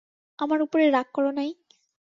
আমার উপরে রাগ কর নাই?